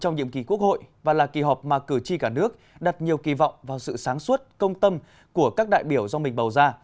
nhiệm kỳ quốc hội và là kỳ họp mà cử tri cả nước đặt nhiều kỳ vọng vào sự sáng suốt công tâm của các đại biểu do mình bầu ra